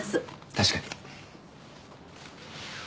確かに。